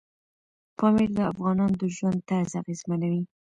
پامیر د افغانانو د ژوند طرز اغېزمنوي.